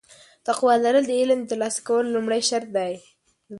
تقوا لرل د علم د ترلاسه کولو لومړی شرط دی.